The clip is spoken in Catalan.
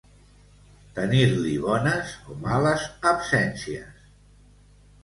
Tenir-li bones o males absències.